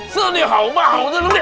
seh ni haumah haudun nengdek